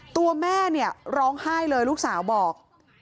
ตัวแม่เนี่ยร้องไห้เลยลูกสาวบอก